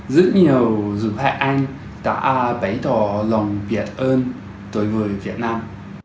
rất nhiều dụng hệ anh đã bày tỏ lòng biệt ơn đối với việt nam